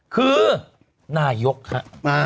คือนายกค่ะ